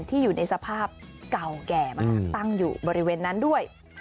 อยู่ในสภาพเก่าแก่มากตั้งอยู่บริเวณนั้นด้วย